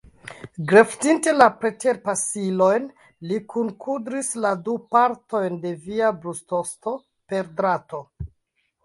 Greftinte la preterpasilojn, li kunkudris la du partojn de via brustosto per drato.